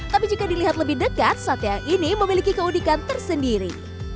tapi jika dilihat lebih dekat sate yang ini memiliki keunikan tersendiri